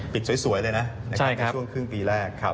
สวยเลยนะในช่วงครึ่งปีแรก